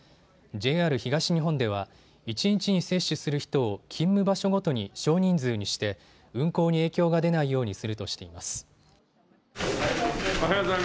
ＪＲ東日本では一日に接種する人を勤務場所ごとに少人数にして運行に影響が出ないようにするとしています。